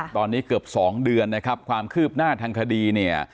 ตอนนี้เกือบ๒เดือนนะครับความคืบหน้าทางคดีเนี่ย